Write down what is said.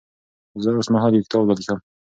زه اوس مهال یو کتاب لیکم.